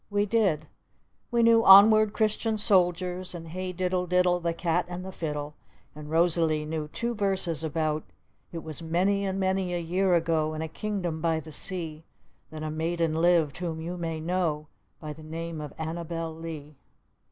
We did. We knew "Onward Christian Soldiers," and "Hey Diddle, Diddle, the Cat and the Fiddle." And Rosalee knew two verses about It was many and many a year ago In a kingdom by the sea, That a maiden lived whom you may know By the name of Annabel Lee.